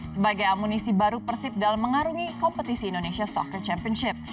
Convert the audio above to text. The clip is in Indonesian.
sebagai amunisi baru persib dalam mengarungi kompetisi indonesia soccer championship